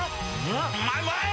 うまい！